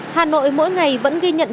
hà nội mỗi ngày vẫn ghi nhận hóa